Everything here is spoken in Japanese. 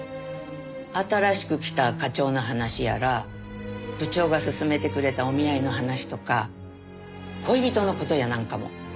新しく来た課長の話やら部長がすすめてくれたお見合いの話とか恋人の事やなんかも。